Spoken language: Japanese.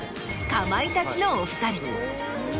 かまいたちのお２人。